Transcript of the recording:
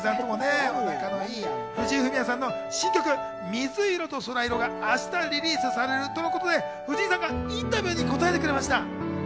ヒロミさんもね、仲のいい藤井フミヤさんの新曲『水色と空色』が明日リリースされるとのことで、藤井さんがインタビューに答えてくれました。